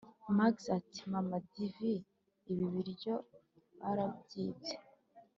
max ati: mama divi! ibi biryo barabyibye!’